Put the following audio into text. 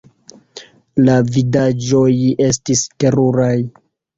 La vidaĵoj estis teruraj.